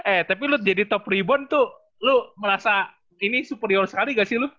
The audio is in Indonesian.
eh tapi lu jadi top rebound tuh lu merasa ini superior sekali gak sih lu